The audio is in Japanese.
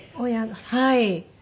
はい。